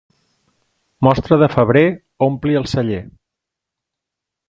Mostra de febrer ompli el celler.